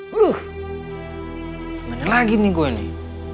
wuh kemana lagi nih gue nih